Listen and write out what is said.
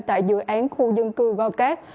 tại dự án khu dân cư go cát